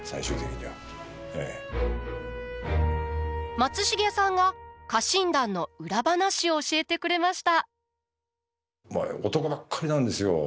松重さんが家臣団の裏話を教えてくれました。